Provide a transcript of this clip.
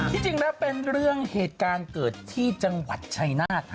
ที่จริงแล้วเป็นเรื่องเหตุการณ์เกิดที่จังหวัดชัยนาธ